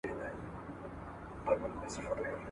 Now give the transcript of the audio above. زه سپينکۍ نه پرېولم.